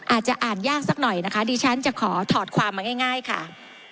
อาจจะอ่านยากสักหน่อยนะคะดิฉันจะขอถอดความมาง่ายค่ะ